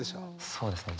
そうですね